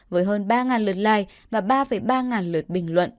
với hơn ba lượt like và ba ba lượt bình luận